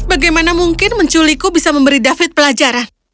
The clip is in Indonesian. bagaimana mungkin menculikku bisa memberi david pelajaran